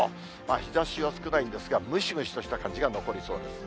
日ざしは少ないんですが、ムシムシとした感じが残りそうです。